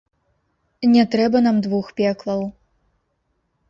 Не трэба нам двух пеклаў.